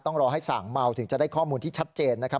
ต้องรอให้สั่งเมาถึงจะได้ข้อมูลที่ชัดเจนนะครับ